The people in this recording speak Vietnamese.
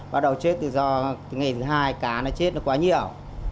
bắt đầu chết từ do ngày thứ hai cá nó chết nó quá nhiều